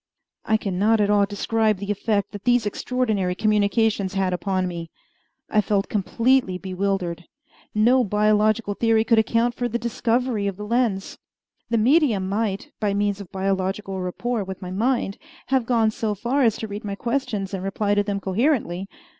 I can not at all describe the effect that these extraordinary communications had upon me. I felt completely bewildered. No biological theory could account for the discovery of the lens. The medium might, by means of biological rapport with my mind, have gone so far as to read my questions and reply to them coherently.